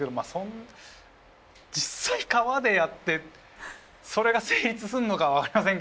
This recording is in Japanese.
実際川でやってそれが成立すんのかは分かりませんけど。